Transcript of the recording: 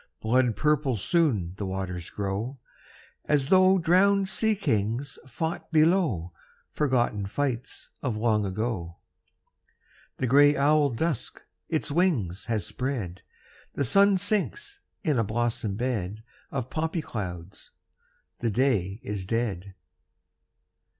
Blood purple soon the waters grow, As though drowned sea kings fought below Forgotten fights of long ago. The gray owl Dusk its wings has spread ; The sun sinks in a blossom bed Of poppy clouds ; the day is dead.